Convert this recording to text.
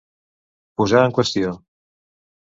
Posar en qüestió.